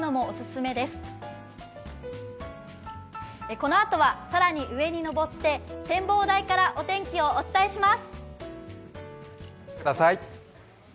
このあとは更に上に登って展望台からお天気お伝えします。